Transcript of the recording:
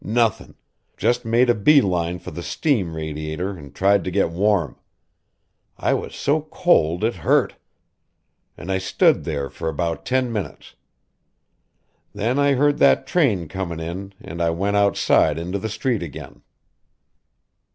"Nothin'. Just made a bee line for the steam radiator an' tried to get warm. I was so cold it hurt. An' I stood there for about ten minutes. Then I heard that train comin' in an' I went outside into the street again."